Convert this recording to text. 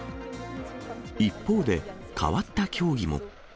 一方で、変わった競技も。